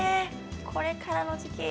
これからの時期。